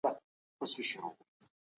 افغانان د هغه د جرئت ستاینه کوله.